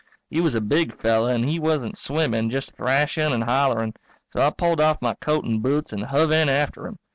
He was a big fellow and he wasn't swimming, just thrashin' and hollering. So I pulled off my coat and boots and hove in after him.